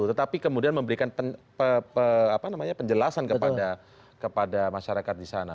tetapi kemudian memberikan penjelasan kepada masyarakat disana